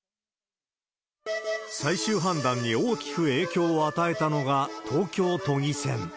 最終判断に大きく影響を与えたのが東京都議選。